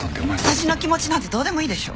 私の気持ちなんてどうでもいいでしょ？